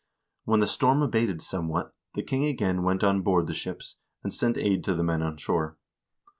When the storm abated somewhat, the king again went on board the ships, and sent aid to the men on shore.